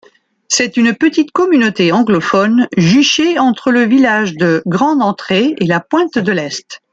C'est une petite communauté anglophone, juchée entre le village de Grande-Entrée et la Pointe-de-l'Est.